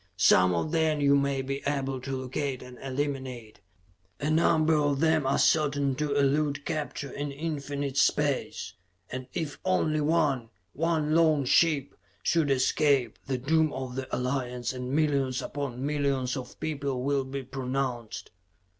Some of them you may be able to locate and eliminate; a number of them are certain to elude capture in infinite space and if only one, one lone ship, should escape, the doom of the Alliance and millions upon millions of people will be pronounced.